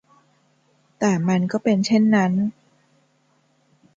แต่มันก็เป็นเช่นนั้น